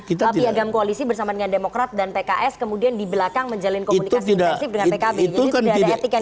pengikat piagam koalisi bersama dengan demokrat dan pks kemudian di belakang menjalin komunikasi intensif dengan pkb